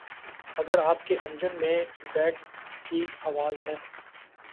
اگر آپ کے انجن میں ویٹ کی آواز ہے